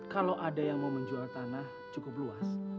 kalau ada yang mau menjual tanah cukup luas